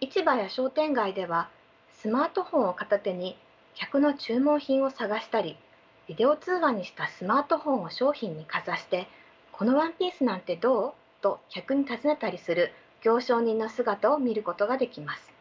市場や商店街ではスマートフォンを片手に客の注文品を探したりビデオ通話にしたスマートフォンを商品にかざして「このワンピースなんてどう？」と客に尋ねたりする行商人の姿を見ることができます。